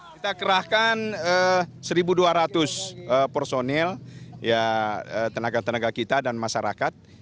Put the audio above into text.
kita kerahkan satu dua ratus personil tenaga tenaga kita dan masyarakat